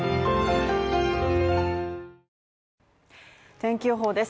天気予報です。